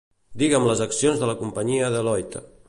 Digue'm les accions de la companyia Deloitte.